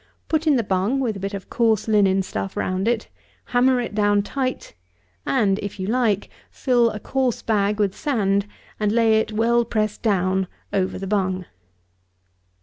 Put in the bung, with a bit of coarse linen stuff round it; hammer it down tight; and, if you like, fill a coarse bag with sand, and lay it, well pressed down, over the bung.